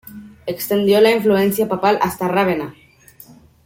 Extendió la influencia papal hasta Rávena.